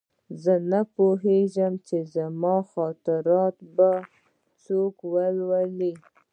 زه نه پوهېږم چې زما خاطرات به څوک ولولي